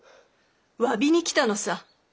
詫びに来たのさ。